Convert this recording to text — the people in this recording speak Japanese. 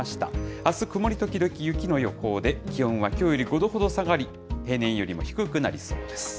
あす、曇り時々雪の予報で、気温はきょうより５度ほど下がり、平年よりも低くなりそうです。